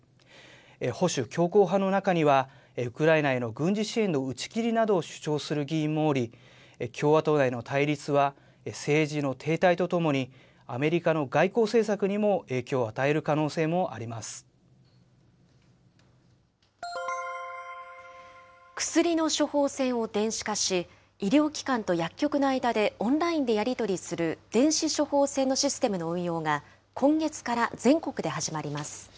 保守強硬派の中には、ウクライナへの軍事支援の打ち切りなどを主張する議員もおり、共和党内の対立は、政治の停滞とともに、アメリカの外交政策にも影響を与える薬の処方箋を電子化し、医療機関と薬局の間でオンラインでやり取りする電子処方箋のシステムの運用が、今月から全国で始まります。